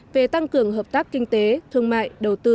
về tăng cường hợp tác kinh tế thương mại đầu tư